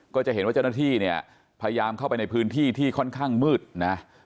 ก็จะเห็นว่าเจ้าหน้าที่เนี่ยพยายามเข้าไปในพื้นที่ที่ค่อนข้างมืดนะ